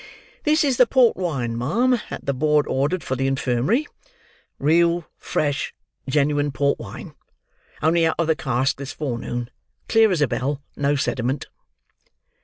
This is the port wine, ma'am, that the board ordered for the infirmary; real, fresh, genuine port wine; only out of the cask this forenoon; clear as a bell, and no sediment!"